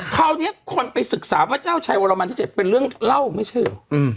คราวนี้คนไปศึกษาว่าเจ้าชัยวรมันที่๗เป็นเรื่องเล่าไม่เชื่อ